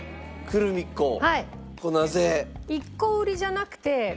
これなぜ？